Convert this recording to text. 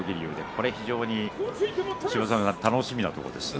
これは楽しみなところですね。